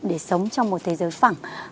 để sống trong một thế giới phẳng